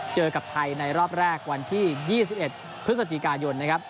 เจอกับไทยในรอบแรกวันที่๒๑พฤศจิกายนนะครับ